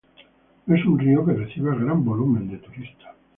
No es un río que reciba gran volumen de turistas.